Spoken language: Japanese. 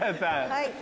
はい。